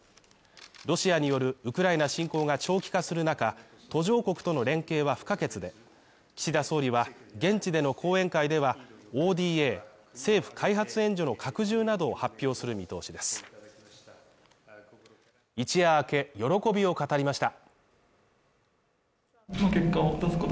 ロシアによるウクライナ侵攻が長期化する中、途上国との連携は不可欠で、岸田総理は、現地での講演会では、ＯＤＡ＝政府開発援助の拡充などを発表する見通しです一夜明け喜びを語りました。